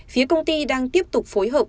phía công ty đang tiếp tục phối hợp